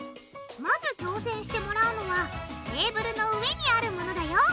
まず挑戦してもらうのはテーブルの上にあるものだよ！